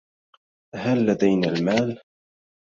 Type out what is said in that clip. هل لدينا المال؟